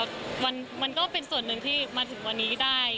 มันก็เป็นส่วนหนึ่งที่มาถึงวันนี้ได้